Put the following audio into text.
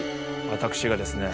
私がですね